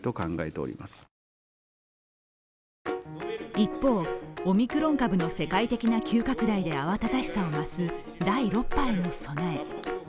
一方、オミクロン株の世界的な急拡大で慌ただしさを増す第６波の備え。